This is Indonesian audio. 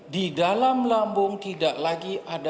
di dalam lambung tidak lagi ada kondisi cyanida